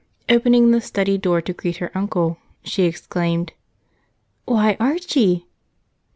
Opening the study door to greet her uncle, she exclaimed, "Why, Archie!"